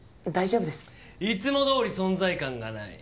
いつもどおり存在感がない。